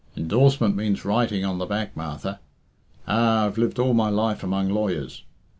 Endorsement means writing on the back, Martha. Ah! I've lived all my life among lawyers.